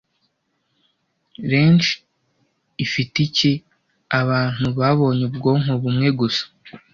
Leach ifite iki - abantu babonye Ubwonko bumwe gusa